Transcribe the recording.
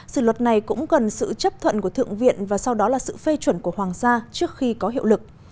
sự luật này cũng cần sự chấp thuận của thượng viện và sau đó là sự phê chuẩn của hoàng gia trước khi có hiệu lực